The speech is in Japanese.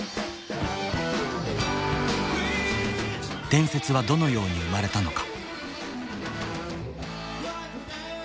伝説はどのように生まれたのか。